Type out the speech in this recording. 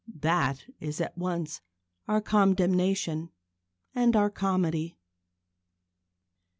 That is at once our condemnation and our comedy.